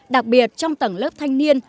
đặc biệt trong tầng lớp thanh niên